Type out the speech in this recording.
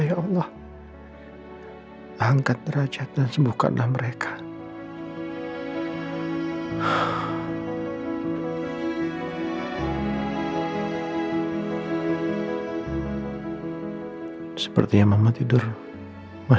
mama nyari papa kok gaada